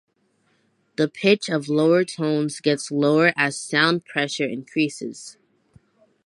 The pitch of lower tones gets lower as sound pressure increases.